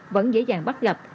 vẫn dễ dàng bắt gặp